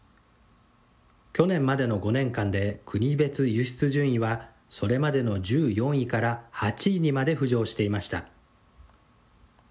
去年までの５年間で、国別輸出順位はそれまでの１４位から８位にまで浮上していました。